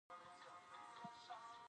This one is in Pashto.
جون پر څوارلسمه جواب کې ورته ولیکل.